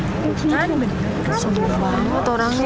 tersalah banget orangnya